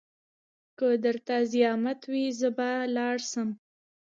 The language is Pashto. که درته زيامت وي لاړ به سم.